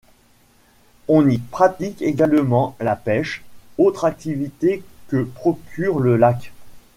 On y pratique également la pêche, autre activité que procure le lac.